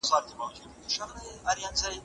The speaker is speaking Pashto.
کارپوهانو وویل چې دوراني پانګه اړینه ده.